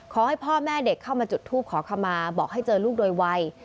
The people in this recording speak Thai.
ขอให้พ่อแม่เด็กเข้ามาจุดทูปขอขมาบอกให้เจอลูกโดยวัย